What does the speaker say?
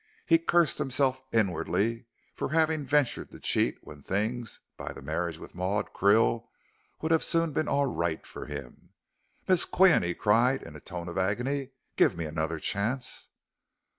He cursed himself inwardly for having ventured to cheat when things, by the marriage with Maud Krill, would have soon been all right for him. "Miss Qian," he cried in a tone of agony, "give me another chance."